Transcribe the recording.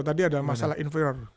tadi ada masalah inferior